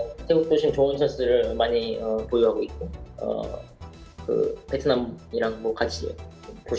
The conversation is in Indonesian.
thailand memang punya banyak pemain yang bagus